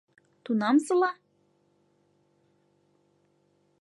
«Тунамсыла»?